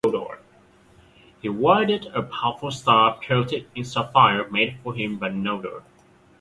He wielded a powerful staff coated in sapphire made for him by the Noldor.